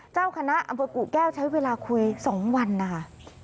เจ้าคณะอำเภอกู่แก้วใช้เวลาคุย๒วันนะคะ